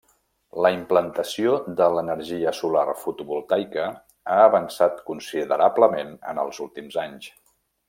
La implantació de l'energia solar fotovoltaica ha avançat considerablement en els últims anys.